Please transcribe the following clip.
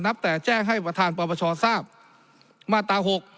นับแต่แจ้งให้ประธานประประชาภาพมาตราหก